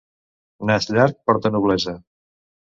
Nas llarg porta noblesa.